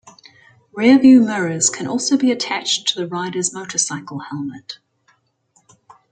Rear-view mirrors can also be attached to the rider's motorcycle helmet.